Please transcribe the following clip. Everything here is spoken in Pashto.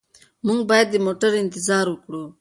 موږ باید د موټر انتظار وکړو.